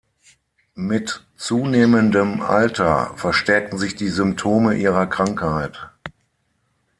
Mit zunehmendem Alter verstärkten sich die Symptome ihrer Krankheit.